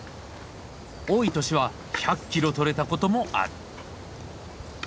多い年は１００キロとれたこともある。